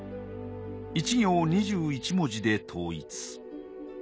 １行２１文字で統一。